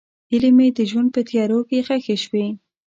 هیلې مې د ژوند په تیارو کې ښخې شوې.